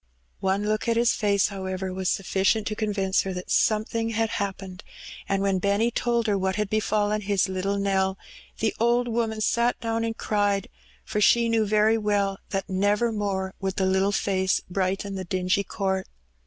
One look at his face, however, was suflGicient to convince her that something had happened, and when Benny told her what had befallen his Uttle Nell, the old woman sat down and cried; for she knew very well that never more would the Uttle face brighten the dingy court.